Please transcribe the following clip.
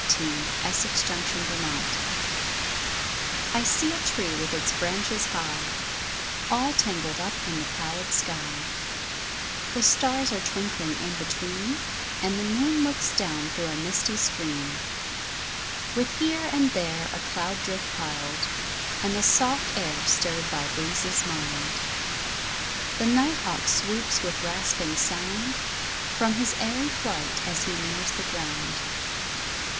LIFE WAVES 77 EVENING SHADOWS I see a tree with its branches high, All tangled up in the pallid sky, The stars are twinkling in between, And the moon looks down through a misty screen, With here and there a cloud drift piled, And the soft air stirred by breezes mild. The night hawk swoops with rasping sound, From his airy flight as he nears the ground.